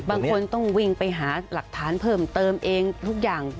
บางคนต้องวิ่งไปหาหลักฐานเพิ่มเติมเองทุกอย่าง